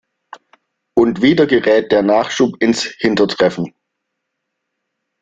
Und wieder gerät der Nachschub ins Hintertreffen.